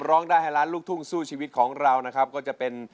ร้องได้ไฮล้านลูกทุ่งซู่ชีวิตของเราก็จะเป็น